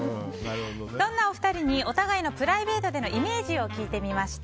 そんなお二人にお互いのプライベートでのイメージを聞いてみました。